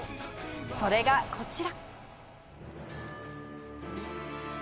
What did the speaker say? それがこちら。